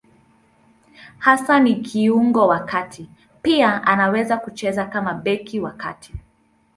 Hasa ni kiungo wa kati; pia anaweza kucheza kama beki wa kati.